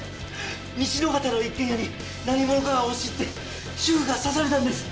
西野方の一軒家に何者かが押し入って主婦が刺されたんです！